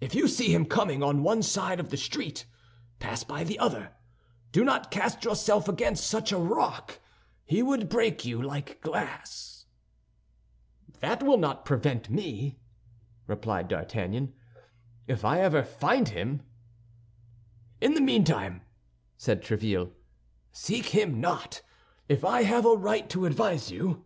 "If you see him coming on one side of the street, pass by on the other. Do not cast yourself against such a rock; he would break you like glass." "That will not prevent me," replied D'Artagnan, "if ever I find him." "In the meantime," said Tréville, "seek him not—if I have a right to advise you."